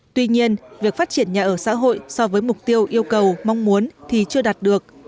tuy nhiên việc phát triển nhà ở xã hội so với mục tiêu yêu cầu mong muốn thì chưa đạt được